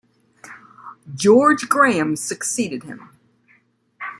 George Graham succeeded him.